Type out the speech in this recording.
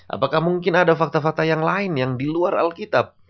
apakah mungkin ada fakta fakta yang lain yang di luar alkitab